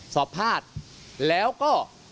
สอบภาษณ์แล้วก็